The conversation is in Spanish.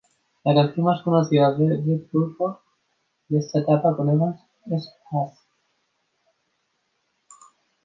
La canción más conocida de Deep Purple de esta etapa con Evans es "Hush".